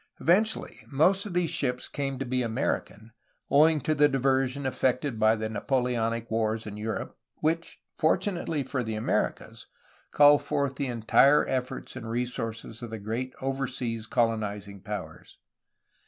Eventu ally, most of these ships came to be American, owing to the diversion effected by the Napoleonic wars in Europe, which, fortunately for the Americas, called forth the entire efforts and resources of the great over seas colonizing powers.